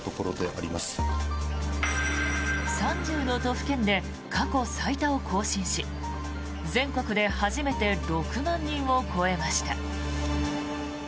３０の都府県で過去最多を更新し全国で初めて６万人を超えました。